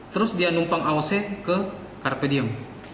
terus dia numpang aoc ke carpe diem